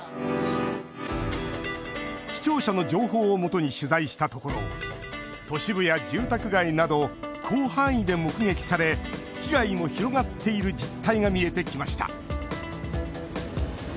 視聴者の情報をもとに取材したところ都市部や住宅街など広範囲で目撃され被害も広がっている実態が見えてきました。